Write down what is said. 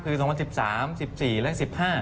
คือ๒๐๑๓๒๐๑๔และ๒๐๑๕